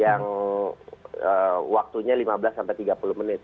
yang waktunya lima belas sampai tiga puluh menit